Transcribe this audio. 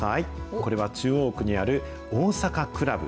これは中央区にある大阪倶楽部。